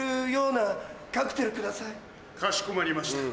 かしこまりました。